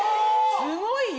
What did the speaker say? すごいよ。